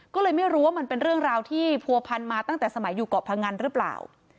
ก็เลยไม่รู้ว่ามันเป็นเรื่องราวที่ผัวพันมาตั้งแต่สมัยอยู่เกาะพงันหรือเปล่า